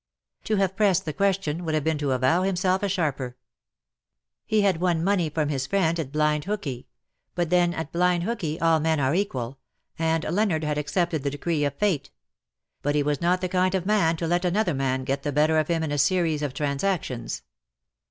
To have pressed the question would have been to avow himself a sharper. He had won money from his friend at blind hookey ; but then at blind hookey all men are equal — and Leonard had accepted the decree of fate ; but he was not the kind of man to let another man get the better of him in a series of transactions.